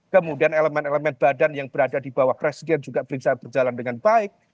kemudian elemen elemen badan yang berada di bawah presiden juga bisa berjalan dengan baik